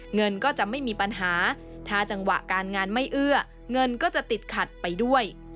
เงินก็จะไม่มีปัญหาถ้าจังหวะการงานไม่เอื้อเงินก็จะติดขัดไปด้วย